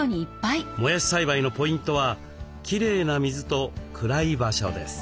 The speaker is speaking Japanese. もやし栽培のポイントはきれいな水と暗い場所です。